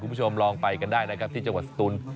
คุณผู้ชมลองไปกันได้นะครับที่จังหวัดสตูน